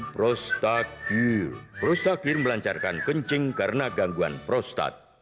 prostatil melancarkan kencing karena gangguan prostat